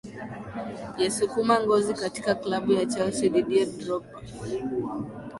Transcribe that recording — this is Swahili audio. yesukuma ngozi katika klabu ya chelsea didier drogba